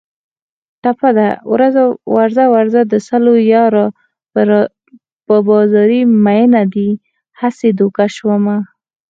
ټپه ده: ورځه ورځه د سلو یاره په بازاري مینه دې هسې دوکه شومه